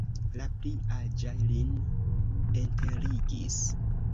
La pli aĝa lin enterigis.